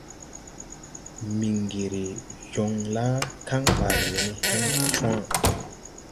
Mbiŋgiri joŋ la kaŋ ɓaale we ne hen cwã.